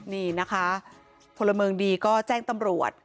นี่นะคะพลเมืองดีก็แจ้งตำรวจ